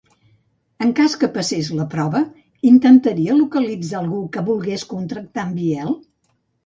En cas que passés la prova, intentaria localitzar algú que volgués contractar en Biel?